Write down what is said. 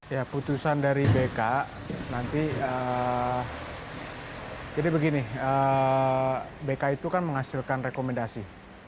ya putusan dari bk nanti jadi begini bk itu kan menghasilkan rekomendasi